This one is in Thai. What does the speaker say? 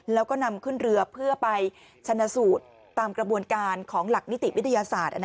แล้วก็นำขึ้นเรือเพื่อไปชนะสูตรตามกระบวนการของหลักนิติวิทยาศาสตร์